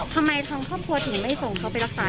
ทางครอบครัวถึงไม่ส่งเขาไปรักษา